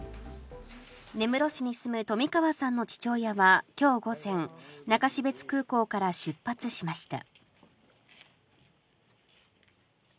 根室市に住む冨川さんの父親は今日午前、中標津空港から出発しました。